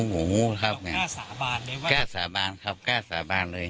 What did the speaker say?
บอกวู้นะครับ